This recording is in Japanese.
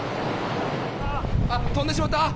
飛んでしまった。